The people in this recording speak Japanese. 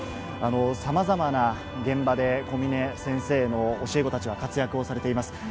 さまざまな現場で小嶺先生の教え子たちは活躍をされています。